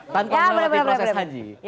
tanpa mengalami proses haji